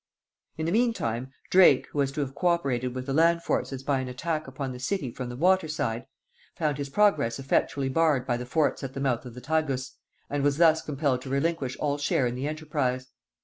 In the meantime Drake, who was to have co operated with the land forces by an attack upon the city from the water side, found his progress effectually barred by the forts at the mouth of the Tagus, and was thus compelled to relinquish all share in the enterprise.